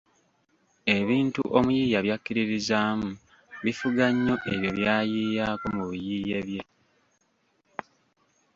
Ebintu omuyiiya by’akkiririzaamu bifuga nnyo ebyo by’ayiiyaako mu biyiiye bye.